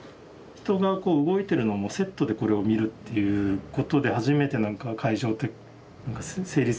人が動いてるのもセットでこれを見るっていうことで初めてなんか会場って成立するような気がしていて。